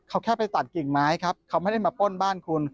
เขาแค่ไปตัดกิ่งไม้ครับเขาไม่ได้มาป้นบ้านคุณ